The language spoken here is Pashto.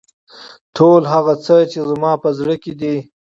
ټول هغه څه چې زما په زړه کې دي.